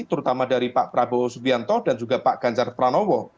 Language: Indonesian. terutama dari pak prabowo subianto dan juga pak ganjar pranowo